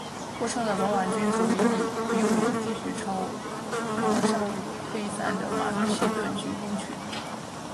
获胜的罗马军右翼继续朝尚未溃散的马其顿军攻去。